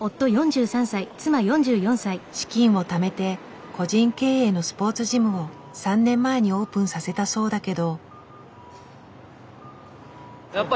資金をためて個人経営のスポーツジムを３年前にオープンさせたそうだけど。